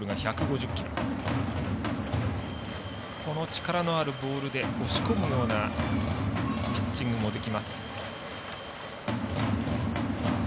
力のあるボールで押し込むようなピッチングもできます。